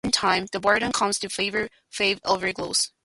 In time, the Baron comes to favor Feyd over Glossu.